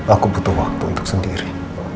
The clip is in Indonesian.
aku butuh waktu itu sendiri